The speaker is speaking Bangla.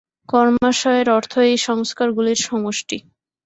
কর্মাশয়ের অর্থ এই সংস্কারগুলির সমষ্টি।